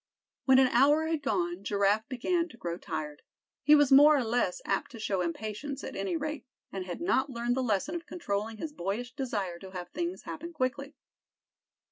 When an hour had gone, Giraffe began to grow tired. He was more or less apt to show impatience, at any rate, and had not learned the lesson of controlling his boyish desire to have things happen quickly.